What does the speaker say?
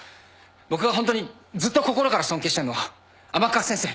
僕がホントにずっと心から尊敬してんのは甘春先生